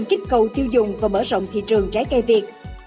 kích cầu tiêu dùng và mở rộng thị trường trái cây việt